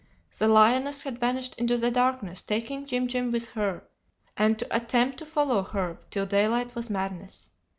The lioness had vanished into the darkness, taking Jim Jim with her, and to attempt to follow her till daylight was madness.